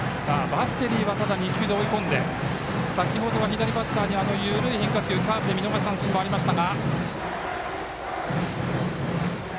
バッテリーはただ２球で追い込んで先ほどは左バッターに緩い変化球カーブで見逃し三振もありました。